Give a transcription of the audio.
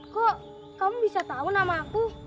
kok kamu bisa tahu nama aku